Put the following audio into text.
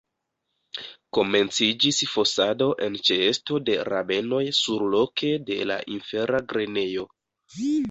Komenciĝis fosado en ĉeesto de rabenoj surloke de la infera grenejo.